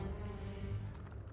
jangan salah sangka seperti itu